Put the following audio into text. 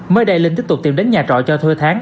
mới đây linh tiếp tục tìm đến nhà trọ cho thuê tháng